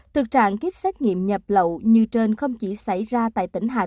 thực trạng kit xét nghiệm nhập lậu như trên không chỉ xảy ra tại tỉnh hà tĩnh